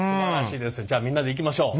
じゃあみんなでいきましょう。